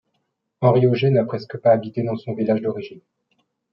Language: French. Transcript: Henri Auger n'a presque pas habité dans son village d'origine.